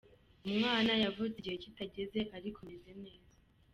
Umwana yavutse igihe kitageze, ariko ameze neza".